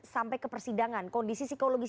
sampai ke persidangan kondisi psikologis